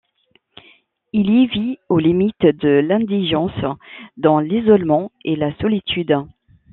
Il y vit aux limites de l'indigence, dans l'isolement et la solitude.